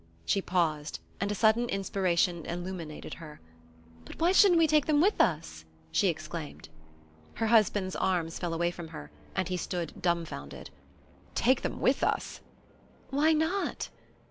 She paused, and a sudden inspiration illuminated her. "But why shouldn't we take them with us?" she exclaimed. Her husband's arms fell away from her, and he stood dumfounded. "Take them with us?" "Why not?"